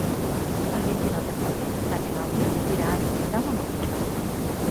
El vint-i-nou de febrer na Clàudia irà a visitar mon oncle.